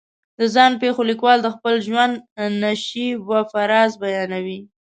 د ځان پېښو لیکوال د خپل ژوند نشیب و فراز بیانوي.